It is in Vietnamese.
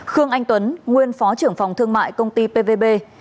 hai khương anh tuấn nguyên phó trưởng phòng thương mại công ty pvb